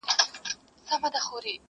پر ملا کړوپ عمر خوړلی!!